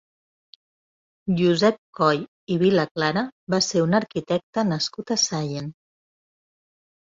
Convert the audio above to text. Josep Coll i Vilaclara va ser un arquitecte nascut a Sallent.